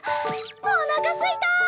おなかすいた！